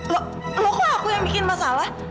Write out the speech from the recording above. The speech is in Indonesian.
loh lo kok aku yang bikin masalah